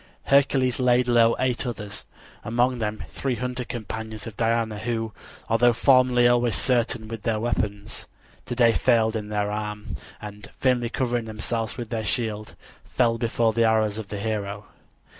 Hercules laid low eight others, among them three hunter companions of Diana, who, although formerly always certain with their weapons, today failed in their aim, and vainly covering themselves with their shields fell before the arrows of the hero.